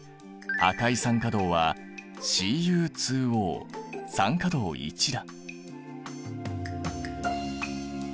黒い酸化銅はＣｕＯ酸化銅だ。